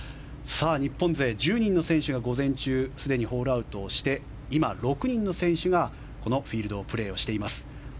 日本勢１０人の選手が午前中すでにホールアウトして今、６人の選手がこのフィールドをプレーしています。